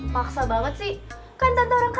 maksa banget sih